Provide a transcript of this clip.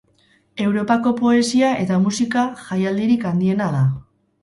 Europako poesia eta musika jaialdirik handiena da.